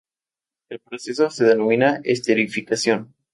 El proceso se denomina esterificación.